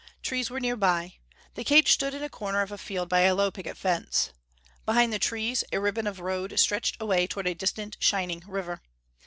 Trees were nearby. The cage stood in a corner of a field by a low picket fence. Behind the trees, a ribbon of road stretched away toward a distant shining river.